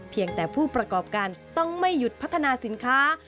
เพียงแต่ผู้ประกอบการต้องไม่หยุดพัฒนาสินค้า